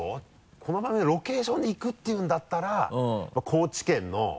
この番組のロケーションで行くっていうんだったらやっぱり高知県の。